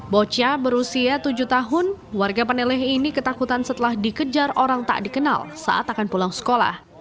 bocah berusia tujuh tahun warga peneleh ini ketakutan setelah dikejar orang tak dikenal saat akan pulang sekolah